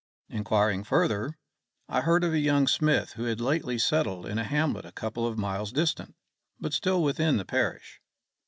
Inquiring further, I heard of a young smith who had lately settled in a hamlet a couple of miles distant, but still within the parish.